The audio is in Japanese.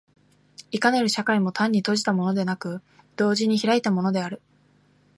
いかなる社会も単に閉じたものでなく、同時に開いたものである。